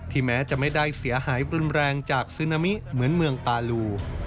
แม้จะไม่ได้เสียหายรุนแรงจากซึนามิเหมือนเมืองปาลู